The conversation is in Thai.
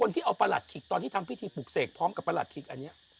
ที่เอาประหลัดขิกตอนที่ทำพิธีปลูกเสกพร้อมกับประหลัดขิกอันนี้